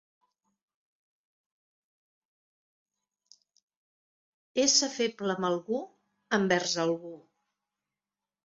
Ésser feble amb algú, envers algú.